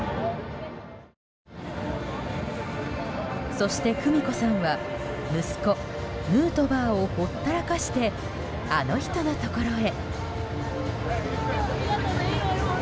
そして久美子さんは息子ヌートバーをほったらかしてあの人のところへ。